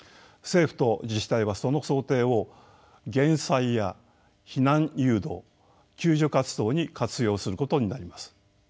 政府と自治体はその想定を減災や避難誘導救助活動に活用することになります。